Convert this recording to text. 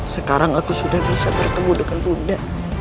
sekarang aku sudah bisa bertemu dengan bunda